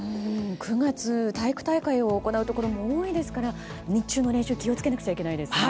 ９月、体育大会を行うところも多いですから日中の練習は気をつけなくちゃいけないですね。